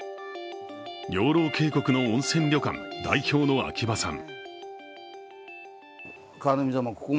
養老渓谷の温泉旅館、代表の秋葉さん。